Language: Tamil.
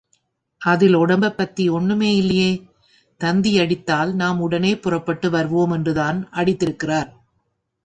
அதில் ஒடம்பைப் பத்தி ஒண்ணுமே இல்லையே? தந்தி யடித்தால் நாம் உடனே புறப்பட்டு வருவோம் என்றுதான் அடித்திருக்கிறார்.